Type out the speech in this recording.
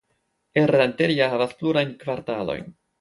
Errenteria havas plurajn kvartalojn.